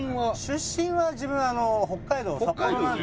出身は自分北海道の札幌なんですよ。